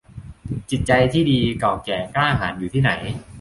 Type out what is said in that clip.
จิตใจที่ดี เก่าแก่ กล้าหาญอยู่ที่ไหน